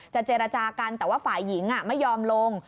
เจรจากันแต่ว่าฝ่ายหญิงไม่ยอมลง